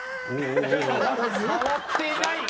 変わっていない！